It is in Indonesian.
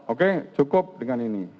oke cukup dengan ini